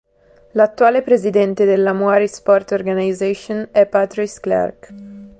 L'attuale presidente dell'Amaury Sport Organisation è Patrice Clerc.